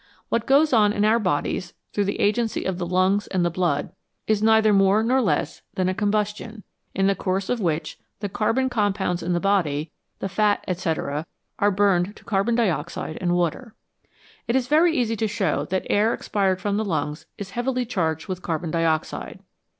What goes on in our bodies, through the agency of the lungs and the blood, is neither more nor less than a combustion, in the course of which the carbon com pounds in the body, the fat, &c., are burned to carbon dioxide and water. It is very easy to show that air expired from the lungs is heavily charged with carbon dioxide.